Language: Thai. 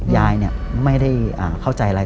ยายเนี่ยไม่ได้เข้าใจอะไร